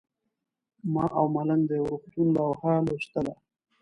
ما او ملنګ د یو روغتون لوحه لوستله.